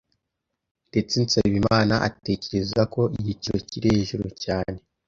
Ndetse Nsabimana atekereza ko igiciro kiri hejuru cyane.